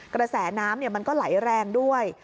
กระแสน้ำมันก็ไหลแรงด้วย